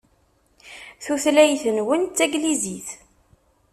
Tutlayt-nwen d taglizit.